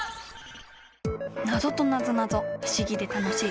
ナゾとなぞなぞ不思議で楽しい。